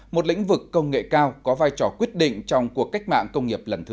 một lĩnh vực công nghệ cao có vai trò quyết định trong cuộc cách mạng công nghiệp lần thứ tư